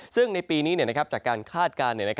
ซึ่งในปีนี้จากการคาดการณ์